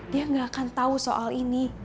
dia gak akan tahu soal ini